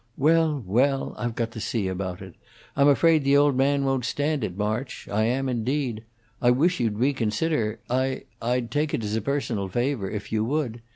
"Well, well! I've got to see about it. I'm afraid the old man won't stand it, March; I am, indeed. I wish you'd reconsider. I I'd take it as a personal favor if you would.